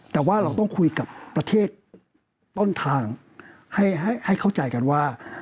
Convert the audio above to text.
แต่ว่าเราต้องคุยกับประเทศต้นทางให้เข้าใจกันว่า